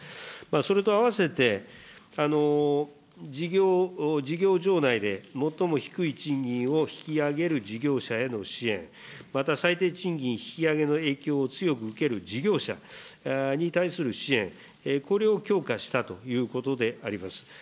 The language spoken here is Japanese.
それとあわせて、事業場内で最も低い賃金を引き上げる事業者への支援、また最低賃金引き上げの影響を強く受ける事業者に対する支援、これを強化したということであります。